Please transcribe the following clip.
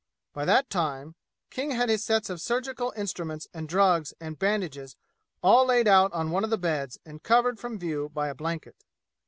By that time King had his sets of surgical instruments and drugs and bandages all laid out on one of the beds and covered from view by a blanket.